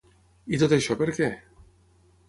I tot això per què?